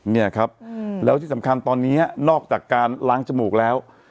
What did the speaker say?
เนี่ยครับแล้วที่สำคัญตอนนี้นอกจากการล้างจมูกแล้ว